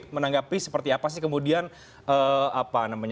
menanggapi seperti apa sih kemudian